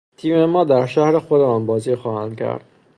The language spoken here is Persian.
تیم ما در شهر خودمان بازی خواهند کرد.